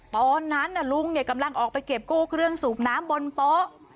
ตอนนั้นลุงกำลังออกไปเก็บกู้เครื่องสูบน้ำบนโต๊ะ